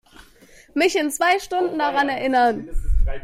Mich in zwei Stunden daran erinnern.